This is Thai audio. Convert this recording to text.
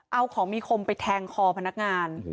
เอาของมีคมไปแทงคอพนักงาน